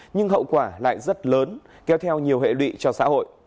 nhưng hậu quả lại rất lớn kéo theo nhiều hệ lụy cho xã hội